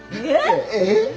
えっ？